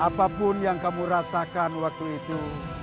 apapun yang kamu rasakan waktu itu